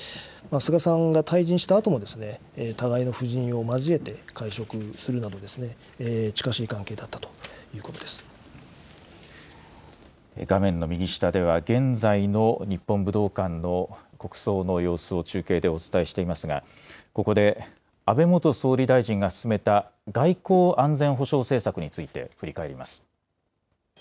菅さんが退陣したあとも、互いの夫人を交えて、会食するなどですね、近しい関係だったとい画面の右下では、現在の日本武道館の国葬の様子を中継でお伝えしていますが、ここで安倍元総理大臣が進めた外交安全保障政策について、振り返ります。